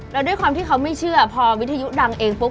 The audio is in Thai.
แล้วด้วยความที่เขาไม่เชื่อพอวิทยุดังเองปุ๊